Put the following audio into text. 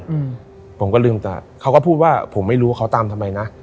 อืมผมก็ลืมตาเขาก็พูดว่าผมไม่รู้ว่าเขาตามทำไมนะ